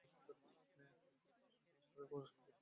এই বছর শ্রেষ্ঠ চলচ্চিত্রের জন্য পুরস্কার প্রদান করা হয়নি।